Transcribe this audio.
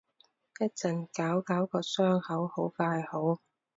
一陣搞搞個傷口，好快好